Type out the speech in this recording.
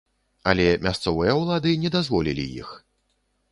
Але мясцовыя ўлады не дазволілі іх.